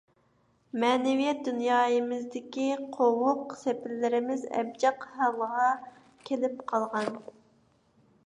مەنىۋىيەت دۇنيايىمىزدىكى قوۋۇق - سېپىللىرىمىز ئەبجەق ھالغا كېلىپ قالغان.